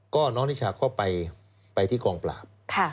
ก็น้องนิชาก็ไปที่กองปราบ